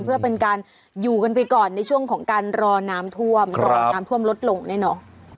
เพื่อเป็นการอยู่กันไปก่อนในช่วงของการรอน้ำท่วมรอน้ำท่วมลดลงแน่นอน